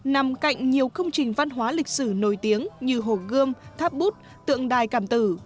nằm cạnh nhiều công trình văn hóa lịch sử nổi tiếng như hồ gươm tháp bút tượng đài cảm tử